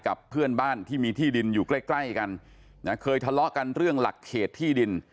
กับเพื่อนบ้านที่มีที่ดินอยู่ใกล้ใกล้กันนะเคยทะเลาะกันเรื่องหลักเขตที่ดิน